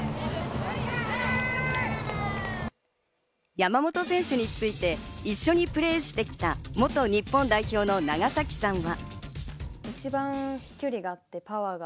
山本選手について一緒にプレーしてきた元日本代表の長崎さんは。